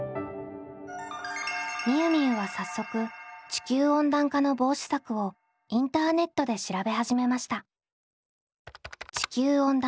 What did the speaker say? みゆみゆは早速地球温暖化の防止策をインターネットで調べ始めました。